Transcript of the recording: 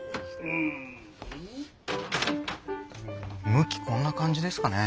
向きこんな感じですかね。